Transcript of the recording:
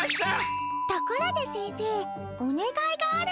ところで先生おねがいがあるんだけど。